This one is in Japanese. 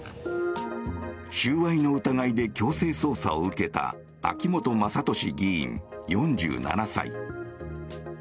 収賄の疑いで強制捜査を受けた秋本真利議員、４７歳。